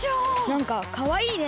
なんかかわいいね。